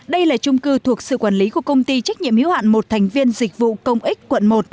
đây là trung cư thuộc sự quản lý của công ty trách nhiệm hiếu hạn một thành viên dịch vụ công ích quận một